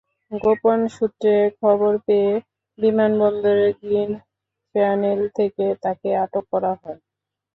গোপন সূত্রে খবর পেয়ে বিমানবন্দরের গ্রিন চ্যানেল থেকে তাঁকে আটক করা হয়।